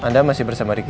anda masih bersama ricky